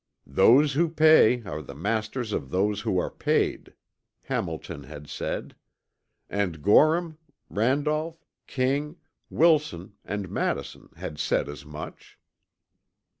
"Those who pay are the masters of those who are paid," Hamilton had said; and Gorham, Randolph, King, Wilson, and Madison had said as much.